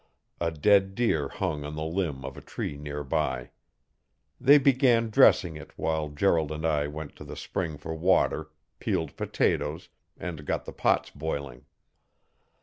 A dead deer hung on the limb of a tree near by. They began dressing it while Gerald and I went to the spring for water, peeled potatoes, and got the pots boiling.